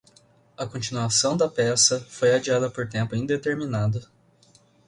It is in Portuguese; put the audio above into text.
A continuação da peça foi adiada por tempo indeterminado.